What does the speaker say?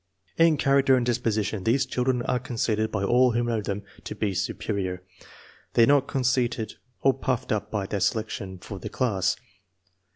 ,.. In character and disposition these children are conceded by all who know them to be superior. They are not conceited or puffed up by their selection for the class."